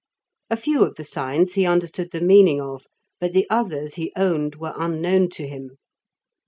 A few of the signs he understood the meaning of, but the others he owned were unknown to him.